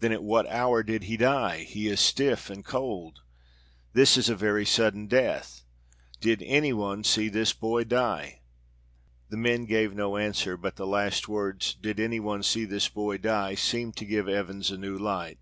Then at what hour did he die? He is stiff and cold. This is a very sudden death. Did any one see this boy die?" The men gave no answer, but the last words "Did any one see this boy die?" seemed to give Evans a new light.